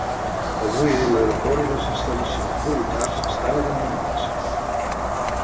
Avui l'aeroport i les instal·lacions militars estan abandonats.